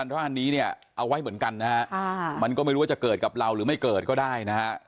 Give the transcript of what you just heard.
ร้านนี้เนี่ยเอาไว้เหมือนกันนะฮะมันก็ไม่รู้ว่าจะเกิดกับเราหรือไม่เกิดก็ได้นะฮะ